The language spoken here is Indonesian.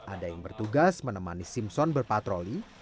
ada yang bertugas menemani simpson berpatroli